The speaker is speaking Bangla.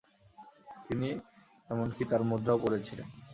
তিনি এমনকি তার মুদ্রাও পরেছিলেন।